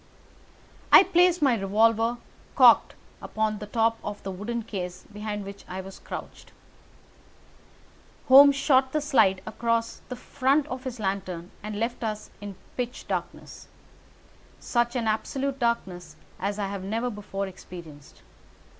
I placed my revolver, cocked, upon the top of the wooden case behind which I crouched. Holmes shot the slide across the front of his lantern and left us in pitch darkness—such an absolute darkness as I have never before experienced.